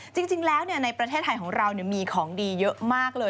จริงแล้วในประเทศไทยของเรามีของดีเยอะมากเลย